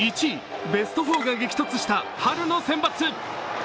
１位、ベスト４が激突した春のセンバツ。